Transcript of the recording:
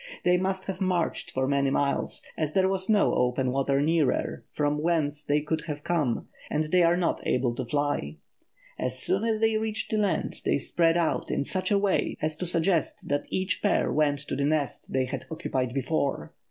They must have marched for many miles, as there was no open water nearer from whence they could have come, and they are not able to fly. As soon as they reached the land they spread out in such a way as to suggest that each pair went to the nest they had occupied before.